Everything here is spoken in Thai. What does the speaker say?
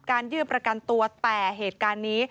ยื่นประกันตัวแต่เหตุการณ์นี้